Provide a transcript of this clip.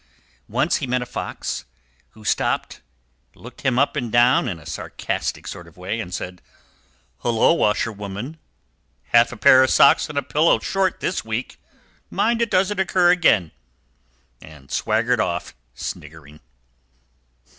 Once he met a fox, who stopped, looked him up and down in a sarcastic sort of way, and said, "Hullo, washerwoman! Half a pair of socks and a pillow case short this week! Mind it doesn't occur again!" and swaggered off, sniggering.